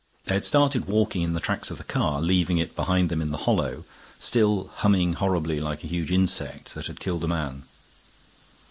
They had started walking in the tracks of the car, leaving it behind them in the hollow, still humming horribly like a huge insect that had killed a man.